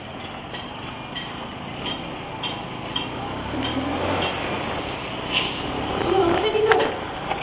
うち幸せになる！